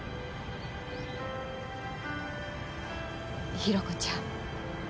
寛子ちゃん。